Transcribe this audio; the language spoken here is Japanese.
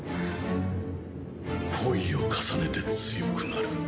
恋を重ねて強くなる。